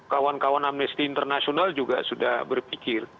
kawan kawan amnesty international juga sudah berpikir